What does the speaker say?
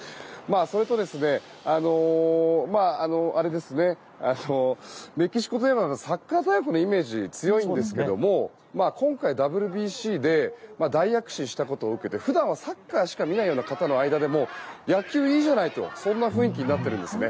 それと、メキシコといえばサッカー大国のイメージが強いですが今回、ＷＢＣで大躍進したことを受けて普段はサッカーしか見ないような方も野球いいじゃないとそんな雰囲気になっているんですね。